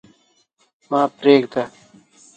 ما پرېږده.